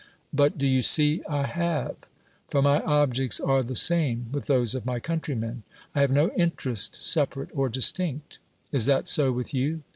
But — do you see ?— I have ; for my ob jects are the same with those of my countrymen : I have no interest separate or distinct. Is that so with you?